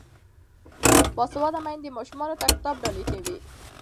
باسواده میندې ماشومانو ته کتاب ډالۍ کوي.